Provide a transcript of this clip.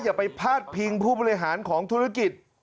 อย่าไปพาดพิงผู้บริหารของธุรกิจ